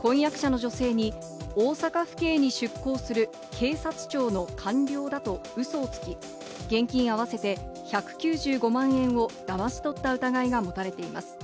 警察によりますと婚約者の女性に大阪府警に出向する警察庁の官僚だとウソをつき、現金合わせて１９５万円をだまし取った疑いがもたれています。